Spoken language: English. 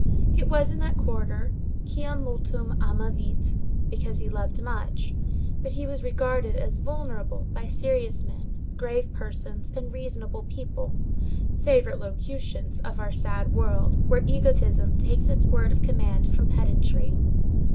It was in that quarter, quia multum amavit,—because he loved much—that he was regarded as vulnerable by "serious men," "grave persons" and "reasonable people"; favorite locutions of our sad world where egotism takes its word of command from pedantry.